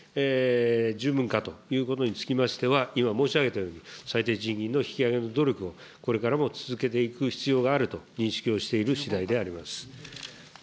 十分かということにつきましては、今申し上げたように、最低賃金の引き上げの努力を、これからも続けていく必要があると認識をしている次第であります。